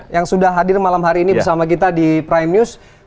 yang sudah hadir malam hari ini bersama kita di prime news